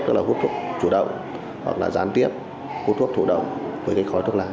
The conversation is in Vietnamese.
tức là hút thuốc chủ động hoặc là gián tiếp hút thuốc chủ động với khói thuốc lá